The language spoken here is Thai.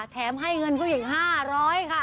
แถมให้เงินเขาอีก๕๐๐บาทค่ะ